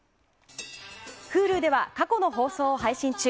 Ｈｕｌｕでは過去の放送を配信中。